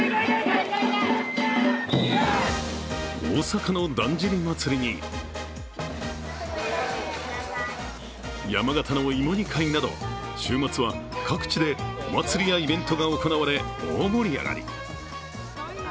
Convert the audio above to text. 大阪のだんじり祭に山形の芋煮会など、週末は各地でお祭りやイベントが行われ、大盛り上がり。